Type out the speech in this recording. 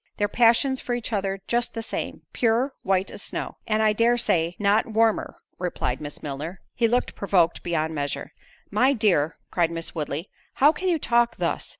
Their passions for each other just the same—pure—white as snow." "And I dare say, not warmer," replied Miss Milner. He looked provoked beyond measure. "My dear," cried Miss Woodley, "how can you talk thus?